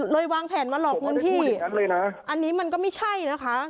เลยวางแผนมาหลอกงี้อันนี้มันก็ไม่ใช่นะคะ